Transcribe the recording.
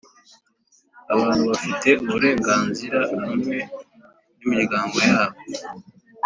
abantu bafite uburenganzira hamwe n’ imiryango yabo